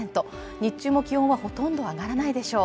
日中も気温はほとんど上がらないでしょう